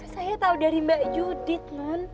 saya tau dari mbak judit non